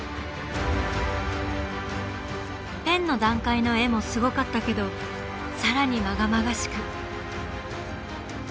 ペンの段階の絵もすごかったけど更にまがまがしく。